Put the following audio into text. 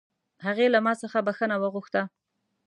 هغې له ما څخه بښنه وغوښته